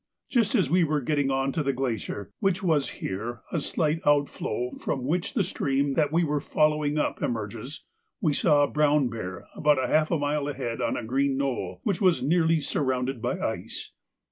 Just as we were getting on to the glacier, which has here a slight outflow from which the stream that we were following up emerges, we saw a brown bear about half a mile ahead on a green knoll which was nearly surrounded by ice.